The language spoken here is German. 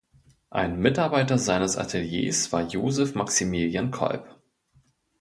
Ein Mitarbeiter seines Ateliers war Joseph Maximilian Kolb.